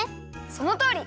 そのとおり！